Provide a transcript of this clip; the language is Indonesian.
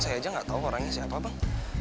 saya aja gak tau orangnya siapa bang